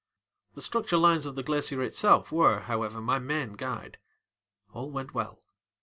The structure lines of the glacier itself were, however, my main guide. All went well.